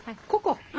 ここ？